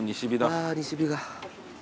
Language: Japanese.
ああ西日が。